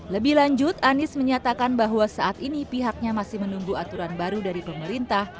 lebih lanjut anies menyatakan bahwa saat ini pihaknya masih menunggu aturan baru dari pemerintah